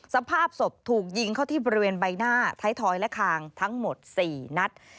สภาพศพถูกยิงเข้าที่บริเวณใบหน้าท้ายทอยและคางทั้งหมด๔นัด